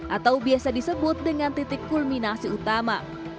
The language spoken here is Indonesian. atau biasa disebut dengan titik kulminasi utama